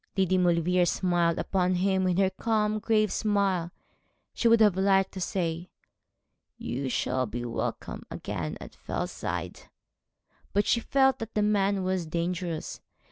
Lady Maulevrier smiled upon him with her calm, grave smile. She would have liked to say, 'You shall be welcome again at Fellside,' but she felt that the man was dangerous.